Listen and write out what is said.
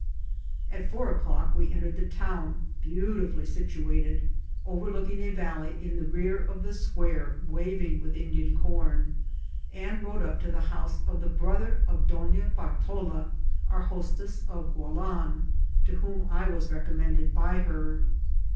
At four o'clock we entered the town, beautifully situated, overlooking a valley in the rear of the square waving with Indian com, and rode up to the house of the teoth* er of Donna Bartola, our hostess of Ghialan, to whom 1 was recommended by her.